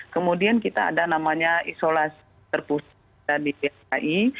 kemudian kita ada namanya isolasi terpusat di dki